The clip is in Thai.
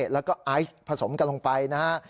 แล้วก็ไอซ์ผสมกันลงไปนะฮะ